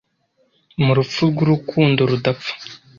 mu rupfu rwurukundo rudapfa